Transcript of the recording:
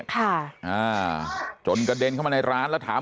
ค่ะอ่าจนกระเด็นเข้ามาในร้านแล้วถาม